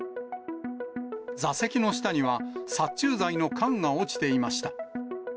座席の下には殺虫剤の缶が落ちていました。